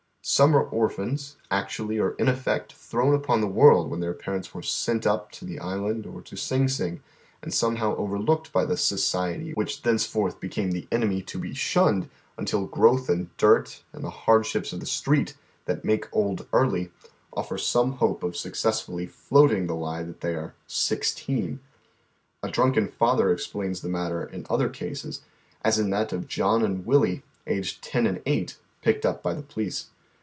Some are orphans, actually or in effect, thtown upon the woild when tlieir parents were "sent up" to the island oi to Sing Sing, and somehow over looked by the "faociety," which t h e n e ef orth be came tlie enemy to be shunned until ^'lowth and dirt md the hardsliips ot the street, that make old early, of fer some hope of euccetsfully fioat mg the lie that they are " sixteen," A diunken father explains the mat ter in other cases, as in that of John and Willie, aged ten and eight, picked up by the police.